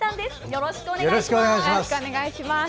よろしくお願いします。